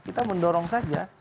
kita mendorong saja